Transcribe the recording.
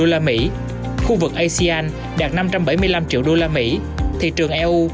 đối với mỹ khu vực asean đạt năm trăm bảy mươi triệu usd